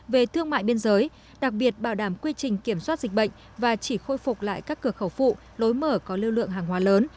về thương mại biên giới đặc biệt bảo đảm quy trình kiểm soát dịch bệnh và chỉ khôi phục lại các cửa khẩu phụ lối mở có lưu lượng hàng hóa lớn